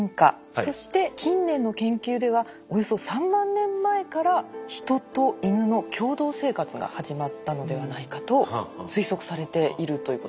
そして近年の研究ではおよそ３万年前からヒトとイヌの共同生活が始まったのではないかと推測されているということですね。